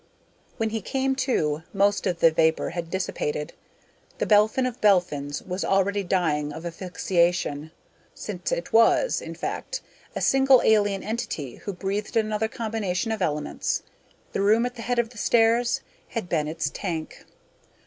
When he came to, most of the vapor had dissipated. The Belphin of Belphins was already dying of asphyxiation, since it was, in fact, a single alien entity who breathed another combination of elements. The room at the head of the stairs had been its tank.